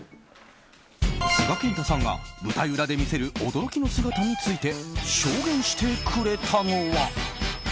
須賀健太さんが舞台裏で見せる驚きの姿について証言してくれたのは。